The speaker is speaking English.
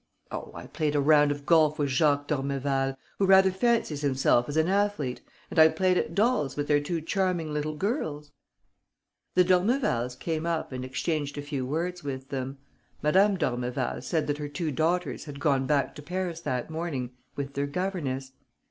"Oh, I played a round of golf with Jacques d'Ormeval, who rather fancies himself as an athlete, and I played at dolls with their two charming little girls!" The d'Ormevals came up and exchanged a few words with them. Madame d'Ormeval said that her two daughters had gone back to Paris that morning with their governess.